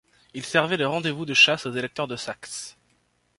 Il servait de rendez-vous de chasse aux Électeurs de Saxe.